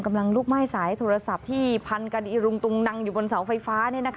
กำลังลุกไหม้สายโทรศัพท์ที่พันกันอีรุงตุงนังอยู่บนเสาไฟฟ้า